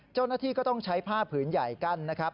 เจ้าหน้าที่ก็ต้องใช้ผ้าผืนใหญ่กั้นนะครับ